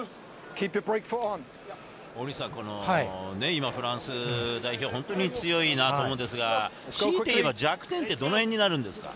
今フランス代表、本当に強いなと思うんですが、しいて言えば弱点はどのへんになるんですか？